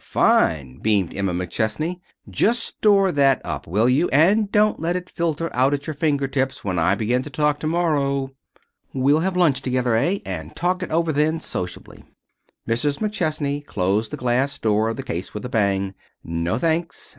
"Fine!" beamed Emma McChesney. "Just store that up, will you? And don't let it filter out at your finger tips when I begin to talk to morrow." "We'll have lunch together, eh? And talk it over then sociably." Mrs. McChesney closed the glass door of the case with a bang. "No, thanks.